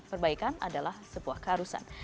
perbaikan adalah sebuah keharusan